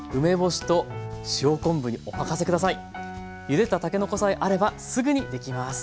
ゆでたたけのこさえあればすぐにできます。